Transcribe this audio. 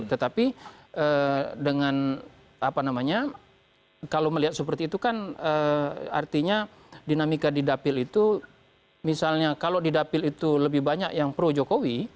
tetapi dengan apa namanya kalau melihat seperti itu kan artinya dinamika di dapil itu misalnya kalau di dapil itu lebih banyak yang pro jokowi